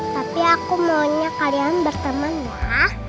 tapi aku maunya kalian berteman ya